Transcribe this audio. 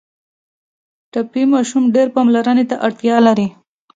ټپي ماشوم ډېر پاملرنې ته اړتیا لري.